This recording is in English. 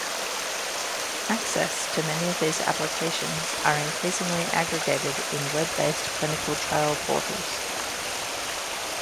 Access to many of these applications are increasingly aggregated in web-based clinical trial portals.